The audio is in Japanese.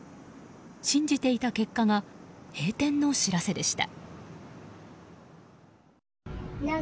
信じていた結果が閉店の知らせでした。